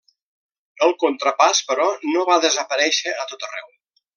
El contrapàs, però, no va desaparèixer a tot arreu.